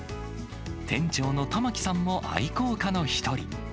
店長の玉置さんも愛好家の一人。